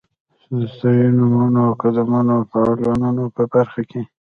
د ستاینومونو، قیدونو، فعلونو په برخه کې.